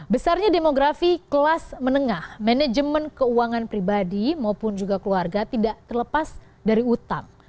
besarnya demografi kelas menengah manajemen keuangan pribadi maupun juga keluarga tidak terlepas dari utang